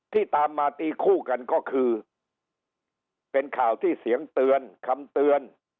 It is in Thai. ตามมาตีคู่กันก็คือเป็นข่าวที่เสียงเตือนคำเตือน